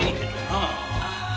ああ。